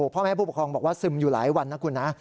พ่อแม่ผู้ปกครองบอกว่าซึมอยู่หลายวันนะคุณนะ